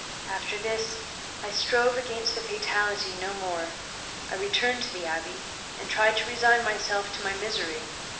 After this I strove against the fatality no more. I returned to the Abbey, and tried to resign myself to my misery.